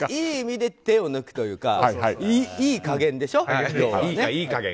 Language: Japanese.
いい意味で手を抜くというかいい加減でしょ、要は。